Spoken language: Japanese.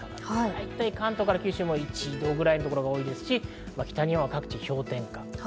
関東から九州は１度くらいのところが多いですし、北日本は各地、氷点下。